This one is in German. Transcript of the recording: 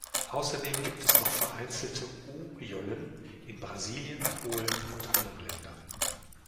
Außerdem gibt es noch vereinzelte O-Jollen in Brasilien, Polen und anderen Ländern.